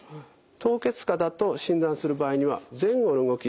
凍結肩と診断する場合には前後の動き